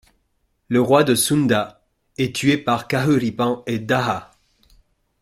Le roi de Sunda est tué par Kahuripan et Daha.